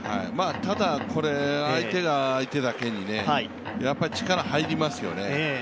ただ、相手が相手だけに力が入りますよね。